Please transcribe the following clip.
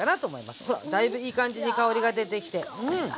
ほらだいぶいい感じに香りが出てきてうん。